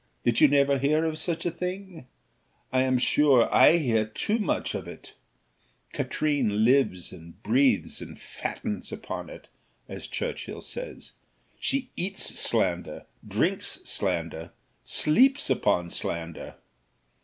did you never hear of such a thing? I am sure I hear too much of it; Katrine lives and breathes and fattens upon it; as Churchill says, she eats slander, drinks slander, sleeps upon slander."